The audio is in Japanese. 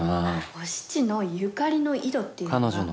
お七のゆかりの井戸っていうのが。